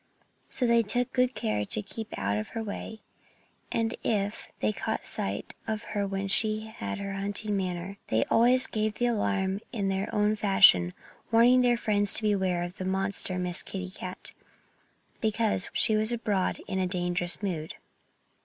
So they took good care to keep out of her way. And if they caught sight of her when she had her hunting manner they always gave the alarm in their own fashion, warning their friends to beware of the monster Miss Kitty Cat, because she was abroad and in a dangerous mood.